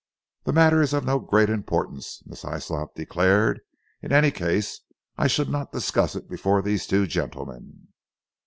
"The matter is of no great importance," Miss Hyslop declared, "in any case I should not discuss it before these two gentlemen."